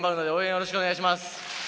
よろしくお願いします。